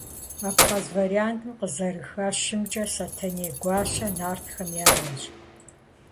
Абхъаз вариантым къызэрыхэщымкӏэ, Сэтэней гуащэ нартхэм я анэщ.